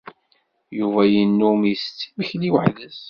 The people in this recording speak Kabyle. Yuba yennum isett imekli weḥd-s.